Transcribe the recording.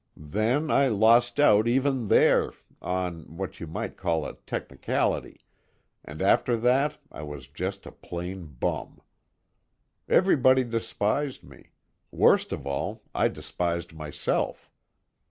Then I lost out even there, on what you might call a technicality and after that I was just a plain bum. Everybody despised me worst of all, I despised myself.